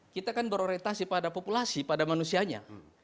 kita kan berorientasi pada populasi pada manusianya